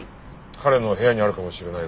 彼の部屋にあるかもしれないが。